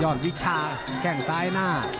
วิชาแข้งซ้ายหน้า